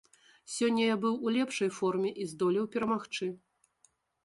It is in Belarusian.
Сёння я быў у лепшай форме і здолеў перамагчы.